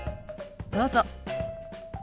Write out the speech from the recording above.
どうぞ。